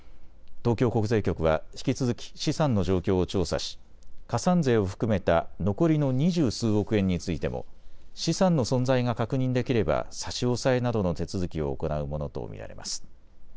東京国税局は引き続き資産の状況を調査し加算税を含めた残りの二十数億円についても資産の存在が確認できれば差し押さえなどの手続きを行うものと見られます。